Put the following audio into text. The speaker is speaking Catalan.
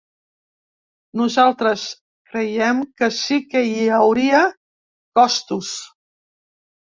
Nosaltres creiem que sí que hi hauria costos.